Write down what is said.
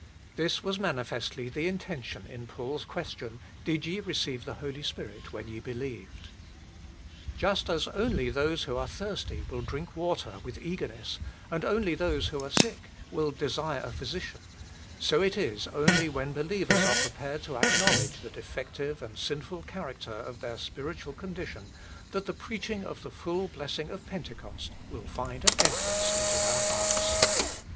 This was manifestly the intention in Paul s question :" Did ye receive the Holy Spirit when ye believed ?" Just as only those that are thirsty will drink water with eagerness and only those that are sick will desire a physician, so it is only when believers are prepared to acknowledge the defective and sinful character of their spiritual condition, that the preaching of the full blessing of Pentecost will find an entrance into their hearts.